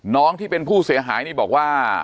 ที่เป็นผู้เสียหายนี่บอกว่า